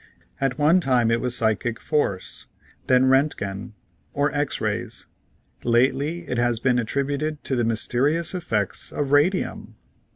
At one time it was psychic force, then Roentgen or X ray s ; lately it has been attributed to the mysterious effects of radium